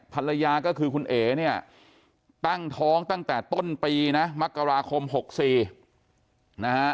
ภรรยาก็คือคุณเอ๋เนี่ยตั้งท้องตั้งแต่ต้นปีนะมกราคม๖๔นะฮะ